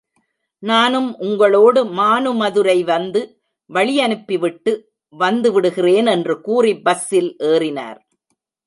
நானும் உங்களோடு மானுமதுரை வந்து, வழியனுப்பிவிட்டு வந்து விடுகிறேன் என்று கூறிப் பஸ்ஸில் ஏறினார்.